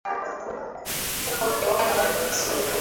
Huko kiwanja ni kizuri